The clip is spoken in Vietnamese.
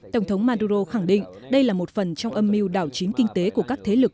tổng thống maduro khẳng định đây là một phần trong âm mưu đảo chính kinh tế của các thế lực